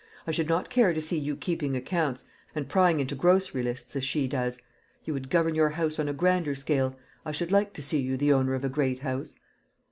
I should not care to see you keeping accounts and prying into grocery lists as she does. You would govern your house on a grander scale. I should like to see you the owner of a great house."